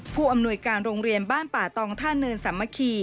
ผู้อำนวยการโรงเรียนบ้านป่าตองท่าเนินสามัคคี